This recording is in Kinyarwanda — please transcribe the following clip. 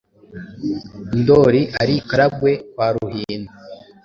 Ndoli ari i Karagwe kwa Ruhinda,